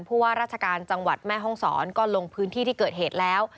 ว่าราชการจังหวัดแม่ห้องศรก็ลงพื้นที่ที่เกิดเหตุแล้ว